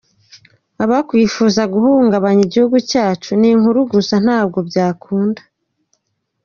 Abakwifuza guhunganya igihugu cyacu, ni inkuru gusa, ntabwo byakunda.